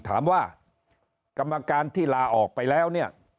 ถามว่ากรรมการที่ลาออกไปแล้วเนี่ย